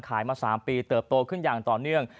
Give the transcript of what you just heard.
มา๓ปีเติบโตขึ้นอย่างต่อเนื่อง